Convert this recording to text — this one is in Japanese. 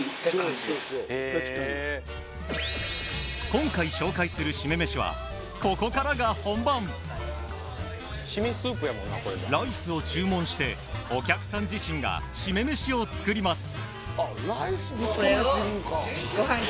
今回紹介する〆めしはここからが本番ライスを注文してお客さん自身が〆めしを作ります